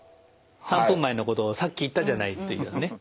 ３分前のことをさっき言ったじゃないというね。